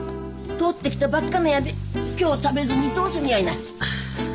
採ってきたばっかなんやで今日食べずにどうするんやいな。